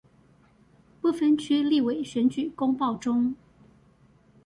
不分區立委選舉公報中